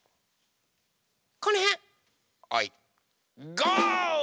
ゴー！